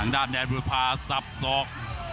ด้านแดนบุรพาสับสอก